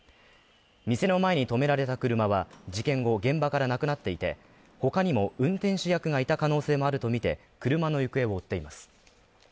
店の前に停められた車は、事件後、現場からなくなっていて、他にも運転手役がいた可能性もあるとみて、車の行方を追っています。